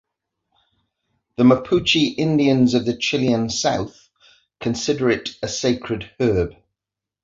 The Mapuche Indians of the Chilean south consider it a sacred herb.